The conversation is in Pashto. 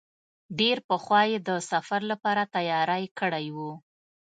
ډېر پخوا یې د سفر لپاره تیاری کړی و.